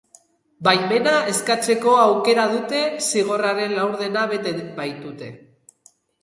Baimena eskatzeko aukera dute zigorraren laurdena bete baitute.